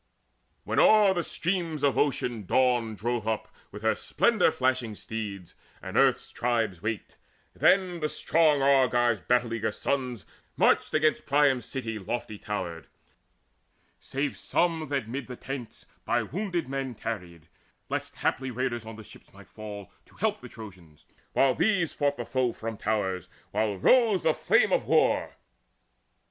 When o'er the streams of Ocean Dawn drove up Her splendour flashing steeds, and earth's tribes waked, Then the strong Argives' battle eager sons Marched against Priam's city lofty towered, Save some that mid the tents by wounded men Tarried, lest haply raiders on the ships Might fall, to help the Trojans, while these fought The foe from towers, while rose the flame of war.